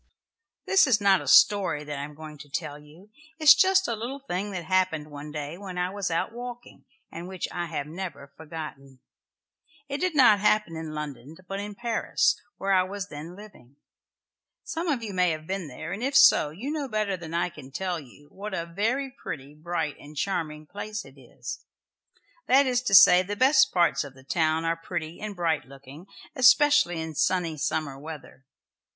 This is not a story that I am going to tell you. It is just a little thing that happened one day when I was out walking, and which I have never forgotten. It did not happen in London, but in Paris, where I was then living. Some of you may have been there, and if so you know better than I can tell you what a very pretty, bright and charming place it is. That is to say, the best parts of the town are pretty and bright looking, especially in sunny summer weather.